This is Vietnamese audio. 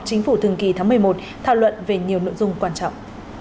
chính phủ thường kỳ tháng một mươi một thảo luận về nhiều nội dung quan trọng